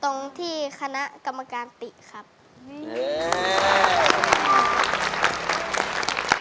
ตรงที่คณะกรรมการติครับ